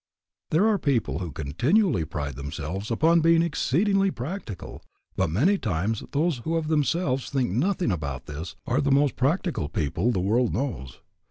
There are people who continually pride themselves upon being exceedingly "practical," but many times those who of themselves think nothing about this are the most practical people the world knows.